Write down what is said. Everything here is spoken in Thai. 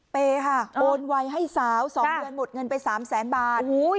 เปย์ค่ะโอนไว้ให้สาวสองเดือนหมดเงินไปสามแสนบาทโอ้โฮย